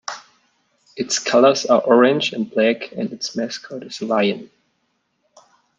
Its colors are orange and black, and its mascot is a lion.